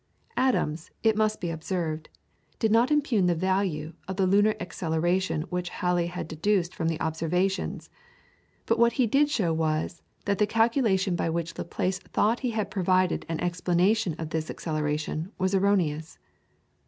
Adams, it must be observed, did not impugn the value of the lunar acceleration which Halley had deduced from the observations, but what he did show was, that the calculation by which Laplace thought he had provided an explanation of this acceleration was erroneous.